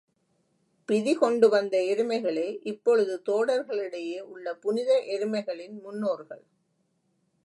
பிதி கொண்டுவந்த எருமைகளே, இப்பொழுது தோடர்களிடையே உள்ள புனித எருமைகளின் முன்னோர்கள்.